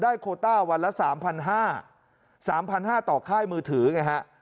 โคต้าวันละ๓๕๐๐๓๕๐๐ต่อค่ายมือถือไงฮะ